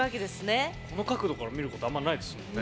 この角度から見ることあんまないですもんね。